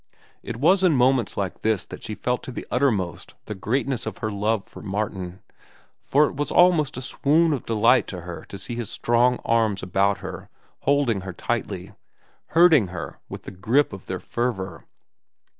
It was in moments like this that she felt to the uttermost the greatness of her love for Martin, for it was almost a swoon of delight to her to feel his strong arms about her, holding her tightly, hurting her with the grip of their fervor.